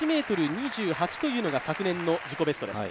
８ｍ２８というのが昨年の自己ベストです。